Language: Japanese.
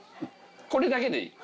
これだけでいい。